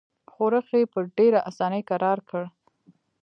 ښورښ یې په ډېره اساني کرار کړ.